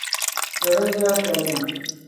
Bɛ bi zɔri dabiɛm.